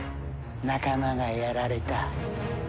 仲間がやられた。